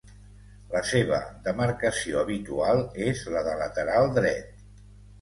La seva demarcació habitual és la de lateral dret.